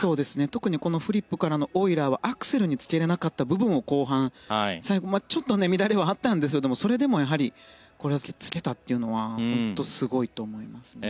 特にフリップからのオイラーはアクセルにつけられなかった部分を後半最後、乱れはあったんですがそれでもこれをつけたというのは本当にすごいと思いますね。